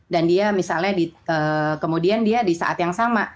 dan dia misalnya kemudian dia di saat yang sama